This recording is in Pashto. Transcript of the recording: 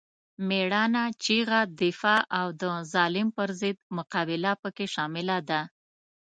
مېړانه، چیغه، دفاع او د ظالم پر ضد مقابله پکې شامله ده.